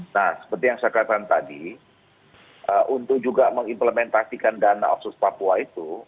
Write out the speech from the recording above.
nah seperti yang saya katakan tadi untuk juga mengimplementasikan dana otsus papua itu